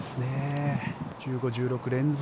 １５、１６連続